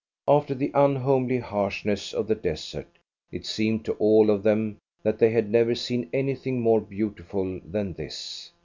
After the unhomely harshness of the desert, it seemed to all of them that they had never seen anything more beautiful than this.